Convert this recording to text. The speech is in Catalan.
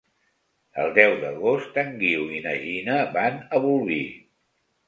El deu d'agost en Guiu i na Gina van a Bolvir.